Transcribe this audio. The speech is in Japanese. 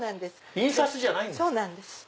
印刷じゃないんですか。